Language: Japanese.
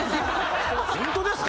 ホントですか？